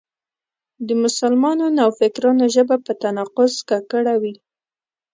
د مسلمانو نوفکرانو ژبه په تناقض ککړه وي.